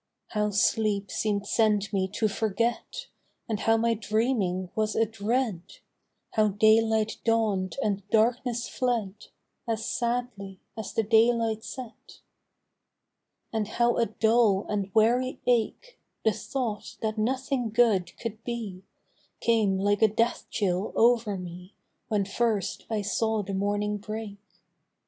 How sleep seem'd sent me to forget. And how my dreaming was a dread, How daylight dawn'd and darkness fled As sadly as the daylight set. Compensation. 129 And how a dull and weary ache, The thought that nothing good could be, Came like a death chill over me When first I saw the morning break.